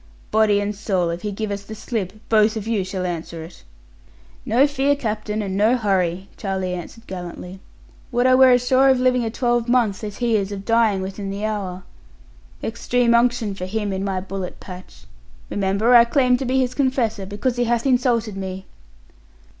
Body and soul, if he give us the slip, both of you shall answer it.' 'No fear, captain, and no hurry,' Charlie answered gallantly, 'would I were as sure of living a twelvemonth as he is of dying within the hour! Extreme unction for him in my bullet patch. Remember, I claim to be his confessor, because he hath insulted me.'